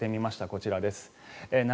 こちらです。